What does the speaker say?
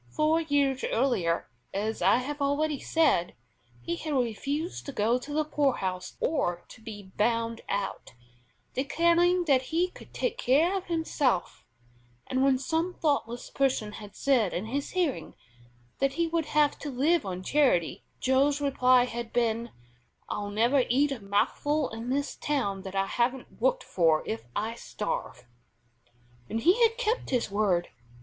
Four years earlier, as I have already said, he had refused to go to the poorhouse or to be "bound out," declaring that he could take care of himself; and when some thoughtless person had said in his hearing that he would have to live on charity, Joe's reply had been: "I'll never eat a mouthful in this town that I haven't worked for if I starve." And he had kept his word.